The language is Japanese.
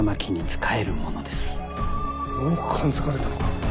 もう感づかれたのか？